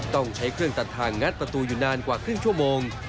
ต้องใช้เครื่องตัดทางงัดประตูอยู่นานกว่าครึ่งชั่วโมง